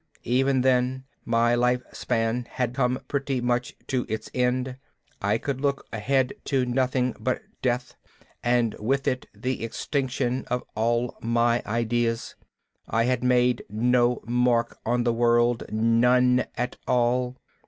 Even then my life span had come pretty much to its end. I could look ahead to nothing but death, and with it the extinction of all my ideas. I had made no mark on the world, none at all.